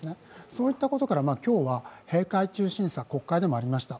そういったことから今日は閉会中審査、国会でもありました。